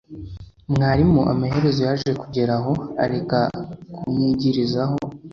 mwarimu Amaherezo yaje kugera aho areka kunyigirizaho